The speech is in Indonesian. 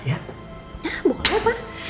ya boleh pak